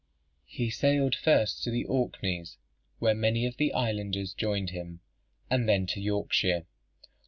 He sailed first to the Orkneys, where many of the islanders joined him, and then to Yorkshire.